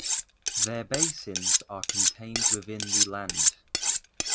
Their basins are contained within the land.